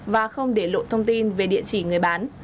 và không để lộ thông tin về địa chỉ người bán